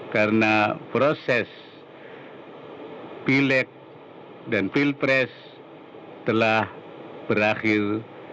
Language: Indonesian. karena proses pileg dan pilpres telah berakhir